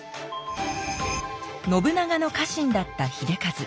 信長の家臣だった秀一。